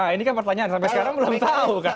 ini kan pertanyaan sampai sekarang belum tahu kan